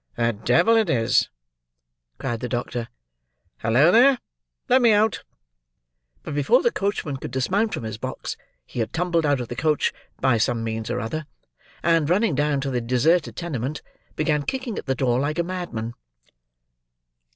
"The devil it is!" cried the doctor. "Hallo, there! let me out!" But, before the coachman could dismount from his box, he had tumbled out of the coach, by some means or other; and, running down to the deserted tenement, began kicking at the door like a madman.